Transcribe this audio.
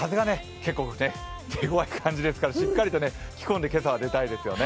結構ね、手ごわい感じですからしっかりと着込んで今朝は出たいですよね。